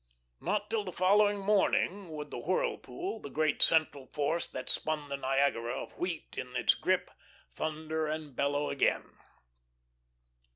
Not till the following morning would the whirlpool, the great central force that spun the Niagara of wheat in its grip, thunder and bellow again.